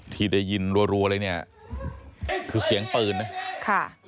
ที่ได้ยินรัวเลยเนี่ยคือเสียงปืนนะค่ะ